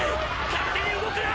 勝手に動くな！！